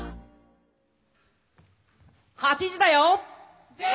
『８時だョ！』